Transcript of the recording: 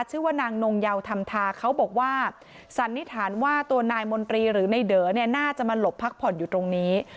ชื่อว่านางนงเยาธรรมทาเขาบอกว่าสันนิษฐานว่าตัวนายมนตรีหรือในเด๋อเนี่ยน่าจะมาหลบพักผ่อนอยู่ตรงนี้